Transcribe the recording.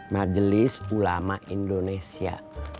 majelis ulama indonesia